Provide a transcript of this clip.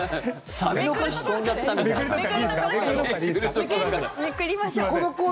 サビの歌詞飛んじゃったみたいな。